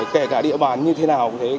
kể cả địa bàn như thế nào cũng thế